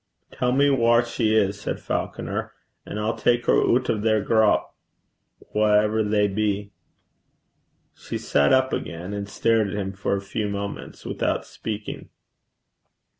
'Tell me whaur she is,' said Falconer, 'and I'll tak her oot o' their grup, whaever they be.' She sat up again, and stared at him for a few moments without speaking.